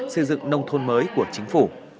xây dựng nông thôn mới của chính phủ